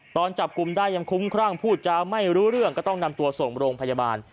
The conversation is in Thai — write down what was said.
ตอนจับกลุ่มได้ยังคุ้มครั่งพูดจาไม่รู้เรื่องก็ต้องนำตัวส่งโรงพยาบาล